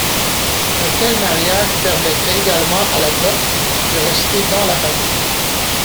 Un tel mariage permettrait également à la dot de rester dans la famille.